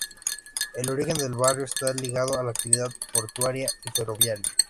El origen del barrio está ligado a la actividad portuaria y ferroviaria.